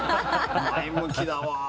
前向きだわ。